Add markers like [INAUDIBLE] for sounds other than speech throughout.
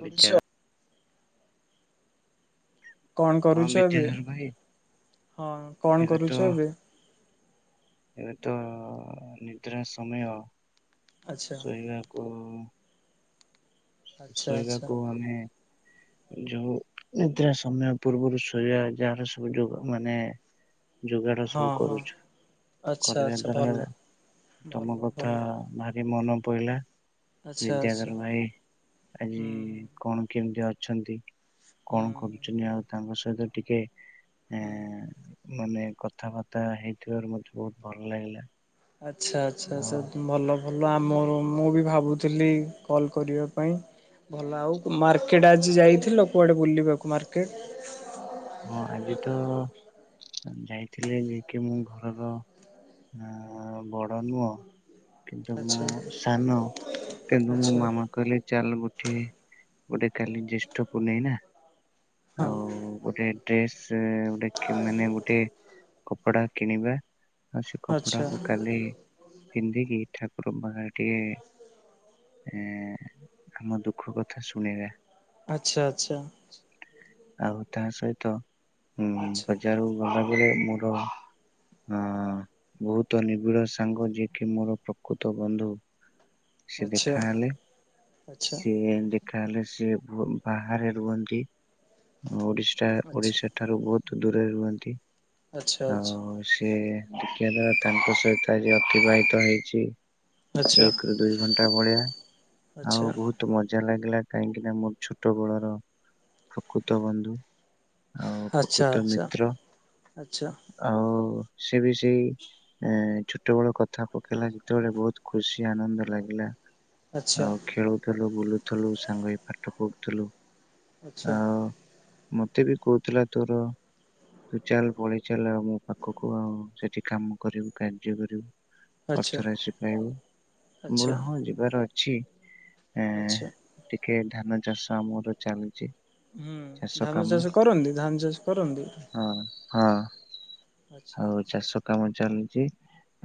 ବିଦ୍ୟା ବଂଶ କଣ ହଁ କରୁଛ ଏବେ? ବିଦ୍ୟାଧର ଭାଇ ହଁ, କଣ ଏବେ ତ କରୁଛ ଏବେ? ଏବେ ତ ନିଦ୍ରା ସମୟ, ଆଚ୍ଛା ଶୋଇବାକୁ ହୁଁ। ଆଚ୍ଛା ଆଚ୍ଛା ଶୋଇବାକୁ ଆମେ ଯୋଉ ନିଦ୍ରା ସମୟ ପୂର୍ବରୁ ଶୋଇବା, ଯାହାର ସବୁ ଯ- ମାନେ ଯୋଗାଡ ହଁ ସବୁ ହଁ କରୁଛୁ। ଆଚ୍ଛା କରିବା ଆଚ୍ଛା ଭଲ ଦ୍ଵାରା, ଭଲ ତମ ଭଲ କଥା ଭାରି ମନ ପହିଲା ଆଚ୍ଛା ଆଚ୍ଛା ବିଦ୍ୟାଧର ଭାଇ ଆଜି, ହୁଁ କଣ କେମିତି ଅ ଅଛନ୍ତି, ହୁଁ କଣ କରୁଛନ୍ତି? ହୁଁ ଆଉ ତାଙ୍କ ସହିତ ଟିକେ ଆ ହୁଁ ମାନେ କଥାବାର୍ତ୍ତା ହେଇଥିବାରୁ ମତେ ବହୁତ ଭଲ ଲାଗିଲା। ଆଚ୍ଛା, ଆଚ୍ଛା ଆଉ ସେ ଭଲ ଭଲ ଆମର ମୁଁ ବି ଭାବୁଥିଲି କଲ୍ କରିବା ପାଇଁ। ଭଲ ଆଉ ମାର୍କେଟ ଆଜି ଯାଇଥିଲ? କୁଆଡେ ବୁଲିବାକୁ ମାର୍କେଟ ହଁ ଆଜି ତ ଯାଇଥିଲି। ଆଜି କି ମୁଁ ଘରର ନା ବଡ ନୁହଁ କିନ୍ତୁ ମୁଁ ଆଚ୍ଛା ସାନ, କିନ୍ତୁ ମୋ ଆଚ୍ଛା ମାମା କହିଲେ ଚାଲ ଗୋଟେ କାଲି ଜେଷ୍ଠ ପୁନଇଁ ନା, ହଁ ଆଉ ଗୋ ଡ୍ରେସ୍ ଗୋଟେ ମାନେ ଗୋଟେ କପଡା କିଣିବା। ଆଉ ସେ ଆଚ୍ଛା କପଡ଼ାକୁ କାଲି ପିନ୍ଧିକି ଠାକୁର ବାହାରେ ଏ ଆମ ଦୁଃଖ କଥା ଶୁଣିବା। ଆଚ୍ଛା, ଆଚ୍ଛା। ଆଉ, ତାହା ସହିତ, ଉଁ ଆଚ୍ଛା -ବଜାରରକୁ ଗଲାବେଳେ, ମୋର ହଁ, ବହୁତ ନିବିଡ଼ ସାଙ୍ଗ, ଯିଏକି ମୋର ପ୍ରକୃତ ବନ୍ଧୁ। ସେ ଆଚ୍ଛା ଦେଖାହଲେ। ଆଚ୍ଛା ସିଏ କାହଲେ, ସିଏ ବାହାରେ ରୁହନ୍ତି, ଓଡ଼ିଶା ଆଚ୍ଛା ଓଡ଼ିଶା ଠାରୁ ବହୁତ ଦୂରରେ ରୁହନ୍ତି। ଆଚ୍ଛା, ଆଚ୍ଛା। ଆଉ ସେ ଦେଖିବା ଦ୍ଵାରା, ତାଙ୍କ ସହିତ ଆଜି ଅତିବାହିତ ହେଇଛି। ଆଚ୍ଛା ଏକରୁୁ ଦୁଇ ଘଣ୍ଟା ଭଳିଆ, ଆଚ୍ଛା ଆଉ ବହୁତ ମଜା ମଜା ଲାଗିଲା, କାହିଁକି ନା ମୋ ଛୋଟ ବଳର ପ୍ରକୃତ ବନ୍ଧୁ। ଆଉ ପ୍ରକୃତ ଆଚ୍ଛା ମିତ୍ର, ଆଚ୍ଛା ଆଉ ସେ ବି ସେଇ ଏ, ଛୋଟବଳ କଥା ପକେଇଲା ଯେତେବେଳେ, ବହୁତ ଖୁସି, ଆନନ୍ଦ ଲାଗିଲା। ଆଚ୍ଛା ଆଚ୍ଛା ଆଉ, ଖେଳୁଥିଲୁ, ବୁଲୁଥିଲୁ, ସାଙ୍ଗ ହେଇ ପାଠ ପଢ଼ୁଥିଲୁ। ଆଚ୍ଛା। ମତେ ବି କହୁଥିଲା, ତୋର ତୁ ଚାଲ, ପଳେଇ ଚାଲ, ଆଉ ମୋ ପାଖକୁ। ଆଉ ସେଠି କାମ କରିବୁ, କାର୍ଯ୍ୟ କରିବୁ। ଆଚ୍ଛା ଅର୍ଥ ରାଶି ପାଇବୁ। ଆଚ୍ଛା ଆଚ୍ଛା ମୋର ହଁ, ଯିବାର ଅଛି। ଆଚ୍ଛା। ଏ ଧାନ ଚାଷ ଆମର ଚାଲିଚି। ହୁଁ ଚାଷ ଧାନ କାମ। କରନ୍ତି ଧାନ ଚାଷ କରନ୍ତି ହଁ, ହଁ। ଆଚ୍ଛା ଆଉ ଆଚ୍ଛା ଚାଷ କାମ ଚାଲିଚି।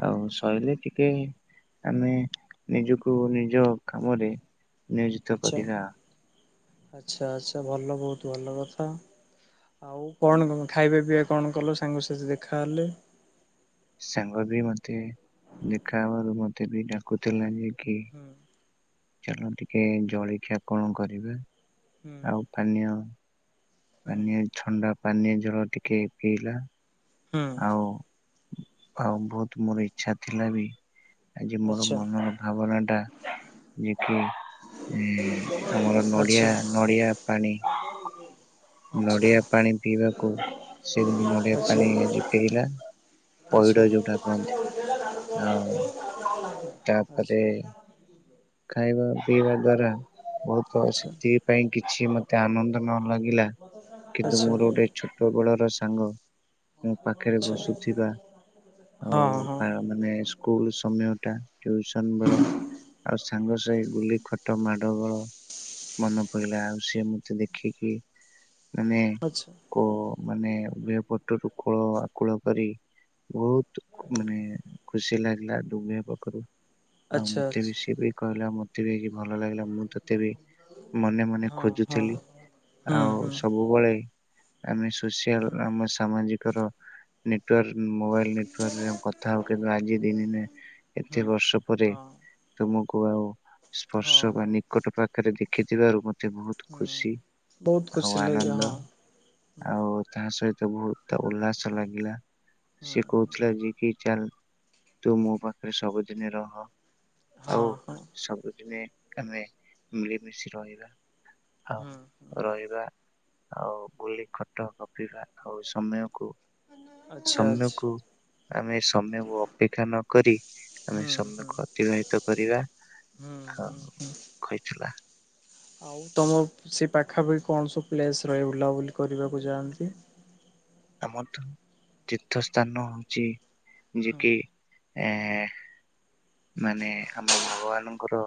ଆଉ ସଇଲେ ଟିକେ ଆମେ ନିଜକୁ ନିଜ କାମରେ ନିୟୋଜିତ ଆଚ୍ଛା କରିବା ଆଉ। ଆଚ୍ଛା, ଆଚ୍ଛା। ଭଲ, ବହୁତ ଭଲ କଥା। ଆଉ କଣ କ ଖାଇବା ପିଇବା କଣ କଲ? ସାଙ୍ଗସାଥି ଦେଖାହେଲେ। ସାଙ୍ଗ ବି ମତେ ଦେଖା ହେବାରୁ, ମତେ ବି ଡାକୁଥିଲା ଯେ କି ହୁଁ। ଚାଲ, ଟିକେ ଜଳଖିଆ କଣ କରିବା, ହୁଁ ଆଉ ପାନୀୟ ହୁଁ ପାନୀୟ, ଥଣ୍ଡା ପାନୀୟ ଜଳ ଟିକେ ପିଇଲା। ହୁଁ। ଆଉ ଆଉ ବହୁତ ମୋର ଇଚ୍ଛା ଥିଲା ବି, ଆଜି ମୋର ଆଚ୍ଛା ମନର ଭାବନାଟା [UNINTELLIGIBLE] ହୁଁ ଆମର ନଡିଆ, ଆଚ୍ଛା ନଡିଆ ପାଣି ନଡିଆ ପାଣି ପିଇବାକୁ ଆଚ୍ଛା। ସେ କିନ୍ତୁ ନଡିଆ ପାଣି ଆଜି ପିଇଲା ଆଚ୍ଛା। ପଇଡ ଯୋଉଟା କହନ୍ତି ଆଉ ଆଚ୍ଛା ତାପରେ ଆଚ୍ଛା। ଖାଇବା ପିଇବା ଦ୍ଵାରା, ବହୁତ ଆଚ୍ଛା ସେତିକିପାଇଁ କିଛି ମତେ ଆନନ୍ଦ ନ ମାଗିଲା କିନ୍ତୁ ଆଚ୍ଛା ମୋର ଗୋଟାଇ ଛୋଟ ବେଳର ସାଙ୍ଗ ମୋ ପାଖରେ ଆଚ୍ଛା ବସୁଥିବା ଆଉ ହଁ ହଁ ମାନେ ସ୍କୁଲ ସମୟ ଟା, ଟିଉସନ୍ ବେଳ, ଆଉ ସାଙ୍ଗ ସାହି ବୁଲି ଖଟ ମାଡ ଗୋଳ ମନପଡିଲା, ଆଉ ସିଏ ମତେ ଦେଖିକି ମାନେ ଆଚ୍ଛା କ ମାନେ ଉଭୟ ପଟରୁ କୋଳ ଆକୁଳ କରି ବହୁତ ମାନେ ଖୁସି ଲାଗିଲା ଦୁନିଆ ପାଖରୁ। ଆଉ ଆଚ୍ଛା ମତେ ବି ଆଚ୍ଛା ସେ କହିଲା ମୋତେ ବି ହେଇକି ଭଲ ଲାଗିଲା ମୁଁ ତୋତେ ବି ମନେ ମନେ ହଁ ହଁ ଖୋଜୁଥିଲି। ହୁଁ ଆଉ ହୁଁ ସବୁବେଳେ ଆମେ ସୋସିଆଲ ହୁଁ ଆମ ସାମାଜିକର ନୀତ ଡୁଆଲ୍ ମୋବାଇଲ ନେଟୱାର୍କରେ ଆମେ କଥା ହଉ। କିନ୍ତୁ ଆଜି ଦି ଦିନେ ଏତେ ହୁଁ ବର୍ଷ ପରେ ହଁ ତମକୁ ଆଉ ହଁ ସ୍ପର୍ଶ ବା ହଁ ନିକଟ ପାଖରେ ଦେଖିଥିବାରୁ ମତ୍ ମତେ ବହୁତ ହୁଁ ଖୁସି, ବହୁତ ଖୁସି ଆଉ ଲାଗେ ଆନନ୍ଦ, ହଁ ଆଉ ତା ସହିତ ମତେ ବହୁତ ଉଲ୍ଲାସ ଲାଗିଲା। ସିଏ ହୁଁ କହୁଥିଲା ଯେ କି ଚାଲ, ତୁ ମୋ ପାଖରେ ସବୁଦିନେ ରହ। ଆଉ ହଁ ହଁ ସବୁଦିନେ ଆମେ ମିଳିମିଶି ରହିବା। ଆଉ ହୁଁ ହୁଁ ରହିବା ଆଉ ଗୁଲି, ଖଟ, ଗପିବା, ଆଉ ସମୟକୁ ଆଚ୍ଛା ଆଚ୍ଛା ସମୟକୁ ଆମେ ସମୟକୁ ଅପେକ୍ଷା ନ କରି, ଆମେ ହୁଁ ହୁଁ ସମୟକୁ ଅତିବାହିତ ତ କରିବା ହୁଁ ହୁଁ ଆଉ ହୁଁ କହିଥିଲା। ଆଉ ତମ ସେ ପାଖାପାଖି କଣ ସବୁ ପ୍ଲେସ ରହେ ବୁଲାବୁଲି କରିବାକୁ ଯାଆନ୍ତି? ଆମର ତିର୍ ତୀର୍ଥ ସ୍ଥାନ ହଉଛି ଯିଏ ହୁଁ କି ଏ ମାନେ ଆମ ଭଗବାନଙ୍କର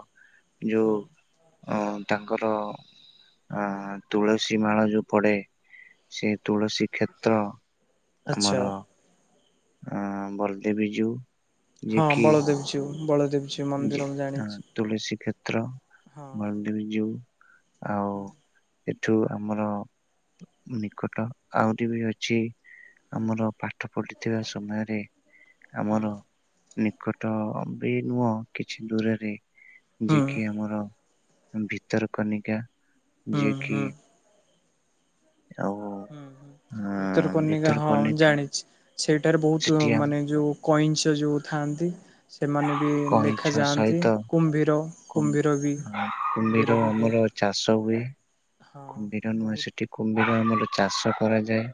ଯୋଉ ହୁଁ ଅ ତାଙ୍କର ଅ ତୁଳସୀ ମାଳ ଯୋଉ ପଡେ ସେ ତୁଳସୀ କ୍ଷେତ୍ର ଆଚ୍ଛା। ଆ ବଳଦେବଜୀଉ ହଁ ବଳଦେବଜୀଉ। ବଳ ଯେ ତୁଳସୀ କ୍ଷେତ୍ର, ହଁ ବଳଦେବଜୀଉ ଆଉ ହୁଁ ଏଠୁ ଆମର ନିକଟ, ଆହୁରି ବି ଅଛି ହୁଁ ଆମର ପାଠ ପଢିଥିବା ସମୟରେ ହୁଁ ଆମର ନିକଟ ଅବି ନୁହଁ କିଛି ଦୂରରେ, ଯିଏ ହୁଁ କିି ଆମର ଭିତରକନିକା। ହୁଁ ଯିଏକି ହଁ ହଁ ଅ ଭିତରକନିକା ହଁ ଭିତରକନିକା ଜାଣିଛି ସେଇଟାରେ ବହୁତ- ସେଠି ମାନେ ଯୋଉ କଇଁଛ ଯେଉଁ ଥାଆନ୍ତି ସେମାନେ ବି ଦେଖାଯାଆନ୍ତି କୁମ୍ଭୀର କୁମ୍ଭୀର ବି କୁମ୍ଭୀର କୁମ୍-କୁମ୍ଭୀର ବି ବହୁତ ଆମର ଚାଷ ହୁଏ। ହଁ କୁମ୍ଭୀର ନୁହଁ ବହୁତ ସେଠି କୁମ୍ କୁମ୍ ଆମର ଚାଷ କରାଯାଏ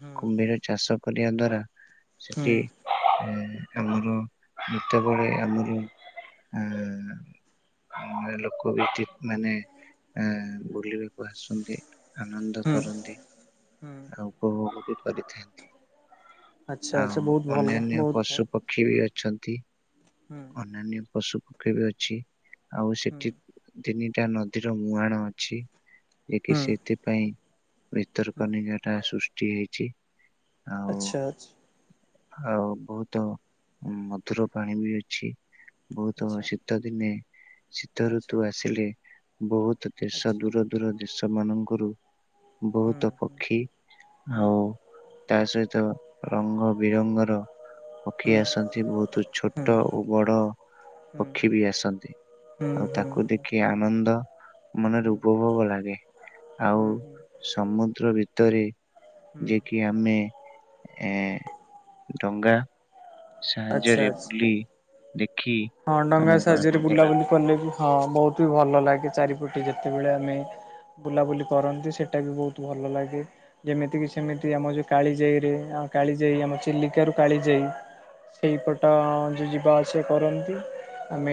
ହୁଁ କୁମ୍ଭୀର ଚାଷ କରିବା ଦ୍ଵାରା ହୁଁ ସେଠି [INAUDIBLE] ଆମର ଯେତେବେଳେ ଆମର ଆ ଲୋକ ବି ଠିକ୍ ମାନେ ଆ- ବୁଲିବାକୁ ଆସନ୍ତି। ଆନନ୍ଦ ହୁଁ କରନ୍ତି ହୁଁ ଆଉ ଉପଭୋଗ ବି କରିଥାନ୍ତି। ଆଚ୍ଛା ଆଚ୍ଛା ଆଉ ବହୁତ ଭଲ ଅନ୍ୟାନ୍ୟ ବହୁତ ପଶୁ ଭଲ। ପକ୍ଷୀ ବି ହୁଁ ଅଛନ୍ତି। ହୁଁ ଅନ୍ୟାନ୍ୟ ପଶୁ ପକ୍ଷୀ ବି ଅଛି। ଆଉ ହୁଁ ସେଠି ତିନିଟା ନଦୀର ମୁହାଣ ଅଛି ଯେ କି ହୁଁ ସେଥିପାଇଁ ବିତର୍କ ହୁଁ ନିରଟା ସୃଷ୍ଟି ହେଇଛି। ଆଉ ଆଚ୍ଛା ଛା। ଆଉ ବହୁତ ମଧୁର ପାଣି ବି ଅଛି। ବହୁତ ଆଚ୍ଛା ବ ଶୀତ ଦିନେ ଶୀତ ଆଚ୍ଛା ଋତୁ ଆସିଲେ ବହୁତ ଦେଶ ଆଚ୍ଛା ଦୂର ଦୂର ଦେଶ ମାନଙ୍କରୁ ହୁଁ ବହୁତ ହୁଁ ପକ୍ଷୀ ହୁଁ ଆଉ ତା ସହିତ ରଙ୍ଗ ବିରଙ୍ଗର ହୁଁ ପକ୍ଷୀ ଆସନ୍ତି ବହୁତ ହୁଁ ହୁଁ ଛୋଟ ଓ ବଡ ପକ୍ଷୀ ବି ଆସନ୍ତି। ଆଉ ହୁଁ ହୁଁ ତାକୁ ହୁଁ ଦେଖି ଆନନ୍ଦ ମନରେ ଉପଭୋଗ ଲାଗେ ଆଉ ହୁଁ ହୁଁ ସମୁଦ୍ର ଭିତରେ। ହୁଁ ଯେକି ଆମେ ଏ ଡଙ୍ଗା ଆଚ୍ଛା ସାହାଯ୍ୟରେ ଆଚ୍ଛା। ବୁଲି ଦେଖି ହଁ ଡଙ୍ଗା ଆମକୁ ସାହାଯ୍ୟରେ ଆନନ୍ଦ ଲାଗେ ବୁଲାବୁଲି କଲେ ବି ହଁ ବହୁତ ବି ଭଲ ଲାଗେ ଚାରିପଟେ ଯେତେବେଳେ ଆମେ ବୁଲାବୁଲି କରନ୍ତି ସେଟା ବି ବହୁତୁ ଭଲ ଲାଗେ ଯେମିତି କିି ସେମିତି ଆମ ଯୋଉ କାଳିଯାଇରେ କାଳିଯାଇ ଆମ ଚିଲିକାରୁ କାଳିଯାଇ ସେଇପଟ ଯ ଯଉ ଯିବା ଆସିବା କରନ୍ [INAUDIBLE] ଆମେ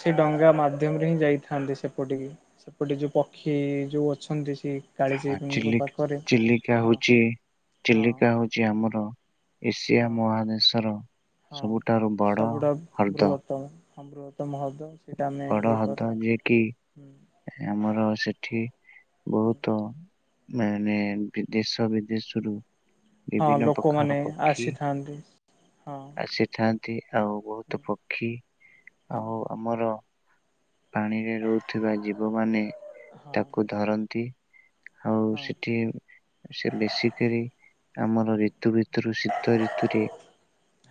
ସେ ଡଙ୍ଗା ମାଧ୍ୟମରେ ହିଁ ଯାଇଥାନ୍ତି ସେପଟିକି ସେପଟେ ଯୋଉ ପକ୍ଷୀ ଯୋଉ ଅଛନ୍ତି ସେ। ହଁ କାଳିଜାଇଙ୍କ ଚିଲକ୍- ପାଖରେ ଚିଲିକା ହଁ ହଉଛି ହଁ ଚିଲିକା ହଉଛି ଆମର ଏସିଆ ହଁ। ମହାଦେଶର। ହଁ ସବୁଠାରୁ ବଡ ସବୁଠାରୁ ହ୍ରଦ ବୃହତ ହଁ ବୃହତ ମହଦଶ। ବଡ ହଦ ଯିଏ କିି ହୁଁ ଆମର ସେଠି ବହୁତ ମାନେ ବି ଦେଶ ବିଦେଶରୁ। ହଁ ବିଭିନ୍ନ ପ୍ରକାର ଲୋକମାନେ ପକ୍ଷୀ ଆସିଥାନ୍ତି। ହଁ ଆସିଥାନ୍ତ ଆଉ ବହୁତ ହୁଁ ପକ୍ଷୀ ହୁଁ ଆଉ ଆମର ପାଣିରେ ରହୁଥିବା ଜୀବ ମାନେ ହଁ ତାକୁ ଧରନ୍ତି। ଆଉ ହଁ ସେଠି ସେ ବେଶିକିରି ଆମର ରି ଋତୁ ଋତୁରୁ ଶୀତ ଋତୁରେ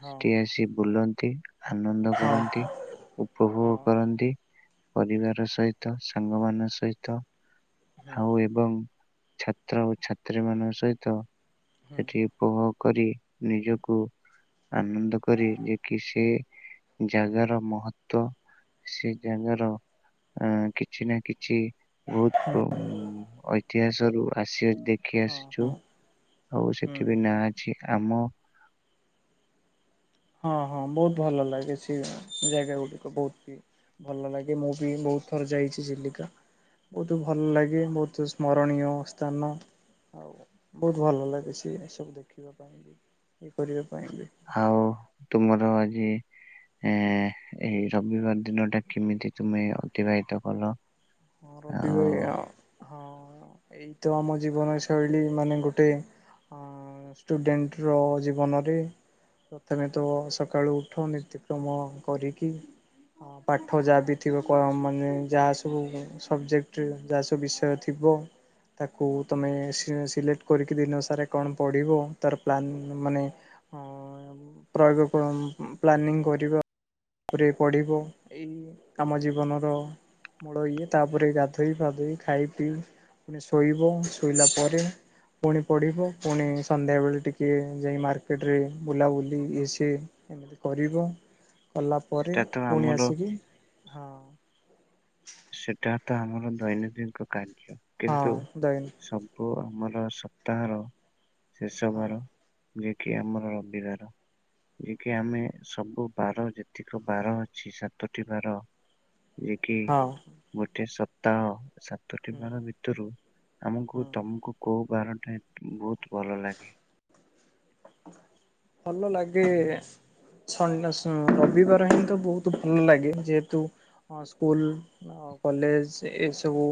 ହଁ ସେଠି ଆସି ବୁଲନ୍ତି। ଆନନ୍ଦ ହଁ କରନ୍ତି ଉପଭୋଗ ହଁ କରନ୍ତି। ପରିବାର ସହିତ ସାଙ୍ଗ ମାନଙ୍କ ସହିତ ହଁ ହୁଁ ଆଉ ଏବଂ ଛାତ୍ର ଓ ଛାତ୍ରୀ ମାନଙ୍କ ସହିତ ହୁଁ ସେଠି ଉପଭୋଗ କରି ନିଜକୁ ଆନନ୍ଦ କରି ଯେ କି ସେ ଜାଗାର ମହତ୍ବ ସେ ଜାଗାର ଉଁ- କିଛି ନା କିଛି ବହୁତୁ ଉମ ଐତିହାସିକ୍ ହଁ ରୁ ଆସି ଦେଖି ହଁ ଆସିଛୁ ହଁ ଆଉ ହୁଁ ସେଠି ବି ହୁଁ ନାଁ ଅଛି ଆମ ହଁ ହଁ ବହୁତ ଭଲ ଲାଗେ ସେ ଜାଗା ଗୁଡ଼ିକ ବହୁତ ହି। ଭଲ ଲାଗେ ମୁଁ ବି ବହୁତ ଥର ଯାଇଛି ଚିଲିକା। ବହୁତ ଭଲ ଲାଗେ, ବହୁତ ସ୍ମରଣୀୟ ସ୍ଥାନ। ଆଉ ବହୁତ ଭଲ ଲାଗେ ସିଏ ସବୁ ଦେଖିବା ପାଇଁ ବି। ଏପରି ଆଉ ତୁମର ଆଜି ଆ ଏଇ ରବିବାର ଦିନଟା କେମିତି ତୁମେ ଅତିବାହିତ କଲ? ହଁ ଆଉ ରବିବାରିଆ ହଁ। ଏଇତ ଆମ ଜୀବନ ଶୈଳୀ ମାନେ ଗୋଟେ ଆ ଅଁ ଷ୍ଟୁଡେଣ୍ଟର ଜୀବନରେ। ପ୍ରଥମେ ତ ସକାଳୁ ଉଠୁ, ନିତ୍ୟକର୍ମ କରିକି ହଁ ପାଠ ଯାହା ବି ଥିବ କ ମାନେ ଯାହା ସବୁ ସବଜେକ୍ଟ ଯାହା ସବୁ ବିଷୟର ଥିବ ତାକୁ ତମେ ସି-ସିଲେକ୍ଟ କରିକି ଦିନ ସାରା କଣ ପଢ଼ିବ, ତାର ପ୍ଲାନ ମାନେ ହଁ ପ୍ରୟୋଗ କଣ ପ୍ଲାନିଂ କରିବା। ଉପରେ ପଢ଼ିବ। ଏଇ ଆମ ଜୀବନର ମୂଳ ଇଏ। ତାପରେ ଗାଧୋଇ ଫାଧୋଇ ଖାଇ ପିଇ ମାନେ ଶୋଇବୁ, ଶୋଇଲା ପରେ ପୁଣି ପଢିବୁ, ପୁଣି ସନ୍ଧ୍ୟାବେଳେ ଟିକେ ଯାଇ ମାର୍କେଟରେ ବୁଲାବୁଲି ଇଏ ସିଏ ଏମିତି କରିବ, କଲା ପରେ ସେଟା ତ ପୁଣି ଆମର ଆସିକି ହଁ। ଟା ଆମର ଦୈନନ୍ଦିନଙ୍କ କାର୍ଯ୍ୟ। କିନ୍ତୁ ହଁ ଦୈନ ସବୁ ଆମର ସପ୍ତାହର ଶେଷ ହଁ ବାର, ଯିଏକି ଆମର ରବିବାର। ଯିଏକି ଆମେ, ସବୁ ବାର ଯେତିକ ବାର ଅଛି ସାତଟି ବାର ଯିଏ କି ହଁ ଗୋଟେ ସପ୍ତାହ। ସାତଟି ହୁଁ ବାର ଭିତରୁ, ଆମକୁ ହୁଁ ତମକୁ କୋଉ ବାରଟା ବହୁତ ଭଲ ଲାଗେ। ଭଲ ଲାଗେ ସଣ୍ଡେ ଉଁ ରବିବାର ହିଁ ତ ବହୁତ ଭଲ ଲାଗେ, ଯେହେତୁ ହଁ ସ୍କୁଲ, କଲେଜ, ଏସବୁ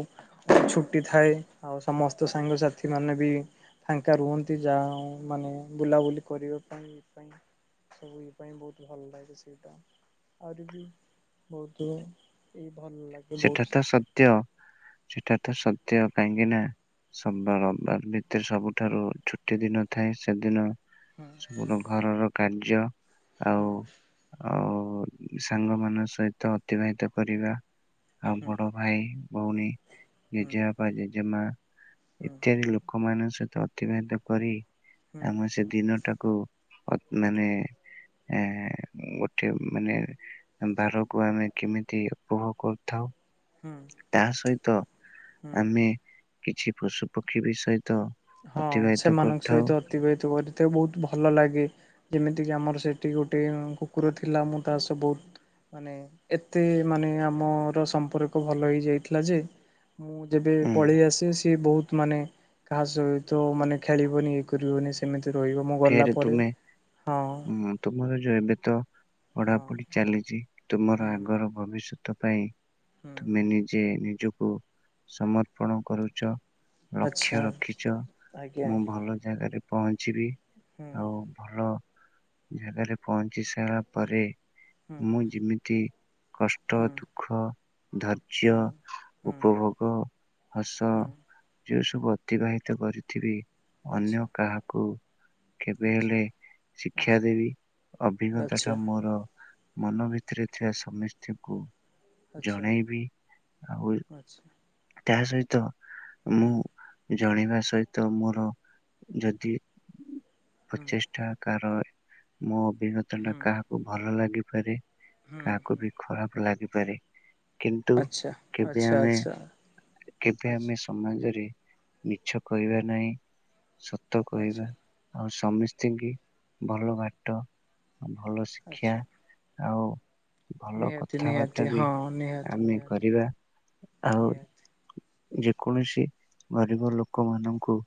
ଛୁଟି ଥାଏ। ଆଉ ସମସ୍ତ ସାଙ୍ଗସାଥି ମାନେ ବି ଫାଙ୍କା ରୁହନ୍ତି, ଯାହା ମାନେ ବୁଲାବୁଲି କରିବା ପାଇଁ ଇଏ ପାଇଁ ସବୁ ଇଏ ପାଇଁ ବହୁତ ଭଲ ଲାଗେ ସେଇଟା। ଆହୁରି ବି ବହୁତୁ ଏଇ ଭଲ ଲାଗେ ବହୁତ ସେଟା ତ ସତ୍ୟ, ସେଟା ତ ସତ୍ୟ। କାହିଁକିନା ସୋମବାର ରବିବାର ଭିତରେ ସବୁଠାରୁ ଛୁଟି ଦିନ ଥାଏ, ସେଦିନ ହୁଁ ସବୁ ତ ଘରର କାର୍ଯ୍ୟ। ହୁଁ ଆଉ ଆଉ ଓ ସାଙ୍ଗମାନଙ୍କ ସହିତ ଅତିବାହିତ କରିବା, ଆଉ ହୁଁ ବଡ ଭାଇ, ଭଉଣୀ ଜେଜେବାପା, ଜେଜେମା ହୁଁ ହୁଁ ଇତ୍ୟାଦି ଲୋକମାନଙ୍କ ସହିତ ଅତିବାହିତ କରି ହୁଁ ଆମର ସେ ଦିନଟାକୁ ଅ ମାନେ ଏ ଗୋଟେ ମାନେ ବାରକୁ ଆମେ କେମିତି ଉପଭୋଗ କରୁ ଥାଉ, ହୁଁ ତାସହିତ ହୁଁ ଆମେ କିଛି ପଶୁ ପକ୍ଷୀ ବି ସହିତ ହଁ, ଅତିବାହିତ ସେମାନଙ୍କ କରିଥାଉ ସହିତ ଅତିବାହିତ କରିଥାଉ, ବହୁତ ଭଲ ଲାଗେ। ଯେମିତିକି ଆମର ସେଠି ଗୋଟେ କୁକୁର ଥିଲା, ମୁଁ ତା ସହ ବହୁତ ମାନେ ଏତେ ମାନେ ଆମର ସମ୍ପର୍କ ଭଲ ହେଇ ଯାଇଥିଲା ଯେ ମୁଁ ଯେବେ ଉଁ ପଳେଇ ଆସିବି, ସିଏ ବହୁତ ମାନେ କାହା ସହିତ ମାନେ ଖେଳିବନି, ଇଏ କରିବନି, ସେମିତି ରହିବ ମୁଁ ଗଲା ଫେରେ ପରେ ତୁମେ, ହଁ ତୁମର ଯୋଉ ଏବେ ତ ହଁ ପଢାପଢି ଚାଲିଚି। ତୁମର ହୁଁ ଆଗର ଭବିଷ୍ୟତ ପାଇଁ ହୁଁ ତୁମେ ନିଜେ ନି ନିଜକୁ ସମର୍ପଣ କରୁଚ ଆଚ୍ଛା ଲକ୍ଷ୍ୟ ରଖିଛ ଆଜ୍ଞା ମୁଁ ଭଲ ଜାଗାରେ ପହଞ୍ଚିବି ହୁଁ ଆଉ ଭଲ ଜାଗାରେ ପହଞ୍ଚି ସାରିଲା ପରେ ହୁଁ ମୁଁ ଯେମିତି କଷ୍ଟ, ହୁଁ ଦୁଃଖ ଧୈର୍ଯ୍ୟ, ହୁଁ ହୁଁ ଉପଭୋଗ, ହସ ହୁଁ ଯୋଉ ସବୁ ଅତିବାହିତ କରିଥିବି, ଆଚ୍ଛା ଅନ୍ୟ କାହାକୁ କେବେ ଆଚ୍ଛା ହେଲେ ଶିକ୍ଷା ଆଚ୍ଛା ଦେବି, ଅଭିଜ୍ଞତାଟା ଆଚ୍ଛା ମୋର ମନ ଭିତରେ ଥିବା ସମିସ୍ତି ଙ୍କୁ ଜଣେଇବି ଆଉ ତା ସହିତ ମୁଁ ଜଣେଇବା ସହିତ ମୋର ଯଦି ପ୍ରଚେଷ୍ଟା କାରଣ ମୋ ଅଭିଜ୍ଞତା ଟା କାହାକୁ ଭଲ ଲାଗିପାରେ। କାହାକୁ ବି ଖରାପ ଲାଗିପାରେ କିନ୍ତୁ କେବେ ଆମେ କେବେ ଆମେ ସମାଜରେ ମିଛ କହିବା ନାହିଁ। ସତ କହିବା ଆଉ ସମସ୍ତିଙ୍କି ଭଲ ବାଟ ଭଲ ଶିକ୍ଷା ଆଉ ଭଲ ନିହାତି, କଥାବାର୍ତ୍ତା ନିହାତି ବି ହଁ ନିହାତି, ଆମେ ନିହାତି, କରିବା ଆଉ ନିହାତି। ଯେକୌଣସି ଗରିବ ଲୋକମାନଙ୍କୁ